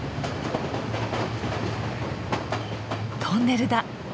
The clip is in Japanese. トンネルだ。